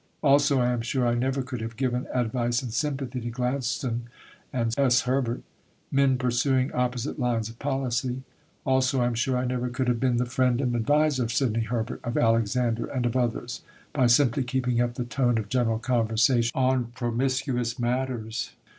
Also I am sure I never could have given "advice and sympathy" to Gladstone and S. Herbert men pursuing opposite lines of policy. Also I am sure I never could have been the friend and adviser of Sidney Herbert, of Alexander, and of others, by simply keeping up the tone of general conversation on promiscuous matters.